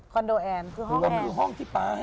คอนโดแอนคือห้องแอน